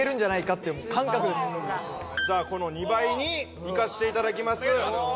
じゃあこの２倍にいかしていただきます。